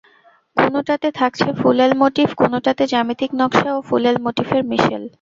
কোনোটাতে থাকছে ফুলেল মোটিফ, কোনোটাতে জ্যামিতিক নকশা ও ফুলেল মোটিফের মিশেল।